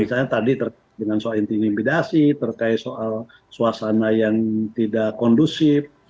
misalnya tadi terkait dengan soal intimidasi terkait soal suasana yang tidak kondusif